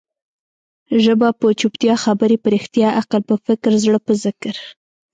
ژبه په چوپتيا، خبري په رښتیا، عقل په فکر، زړه په ذکر.